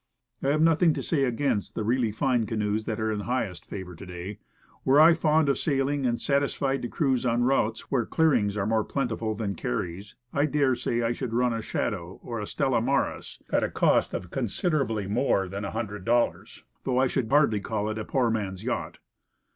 I have nothing to say against the really fine canoes 132 Woodcraft. that are in highest favor to day. Were I fond of sailing, and satisfied to cruise on routes where clear ings are more plenty than carries, I dare say I should run a Shadow, or Stella Maris, at a cost of consid erably more than $100 though I should hardly call it a "poor man's yacht."